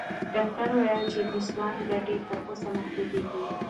ډاکټره وویل چې د سونا ګټې تر اوسه محدودې دي.